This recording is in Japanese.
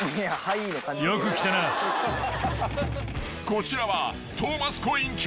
［こちらは］